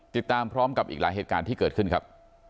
ติดตามพร้อมกับอีกหลายเหตุการณ์ที่เกิดขึ้นครับ